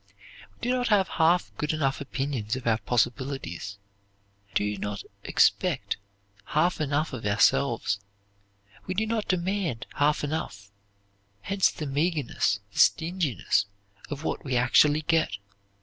We do not have half good enough opinions of our possibilities; do not expect half enough of ourselves; we do not demand half enough, hence the meagerness, the stinginess of what we actually get.